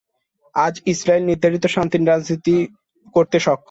আজ ইসরাইল নির্ধারিত শান্তির রাজনীতি করতে সক্ষম।